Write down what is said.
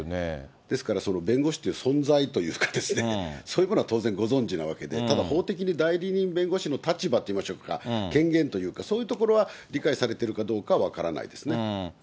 ですから、弁護士という存在というか、そういうものは当然、ご存じなわけで、ただ、法的に代理人弁護士の立場といいましょうか、権限というか、そういうところは理解されてるかどうかは分からないですね。